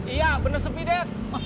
iya bener sepi dad